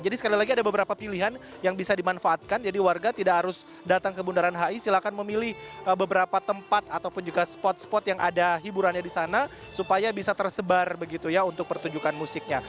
jadi sekali lagi ada beberapa pilihan yang bisa dimanfaatkan jadi warga tidak harus datang ke bundaran hi silahkan memilih beberapa tempat ataupun juga spot spot yang ada hiburannya di sana supaya bisa tersebar begitu ya untuk pertunjukan musiknya